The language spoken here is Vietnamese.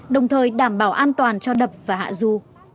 đồng thời đảm bảo an toàn cho đập và hạ du